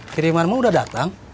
kirim arma udah datang